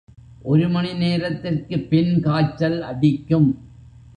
ஒரு மணி நேரத்திற்குப் பின் காய்ச்சல் அடிக்கும்.